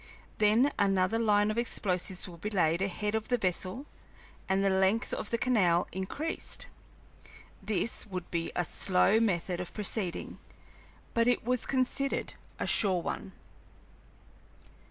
Then another line of explosives would be laid ahead of the vessel, and the length of the canal increased. This would be a slow method of proceeding, but it was considered a sure one.